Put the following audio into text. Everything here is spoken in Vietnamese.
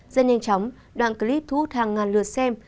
rất nhanh chóng đoạn clip thu hút hàng ngàn lượt xem